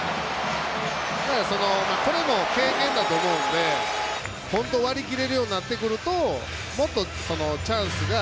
これも経験だと思うんで割り切れるようになってくるともっとチャンスが